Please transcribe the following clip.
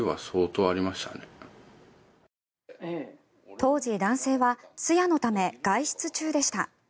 当時、男性は通夜のため外出中でした。